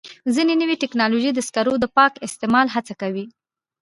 ځینې نوې ټکنالوژۍ د سکرو د پاک استعمال هڅه کوي.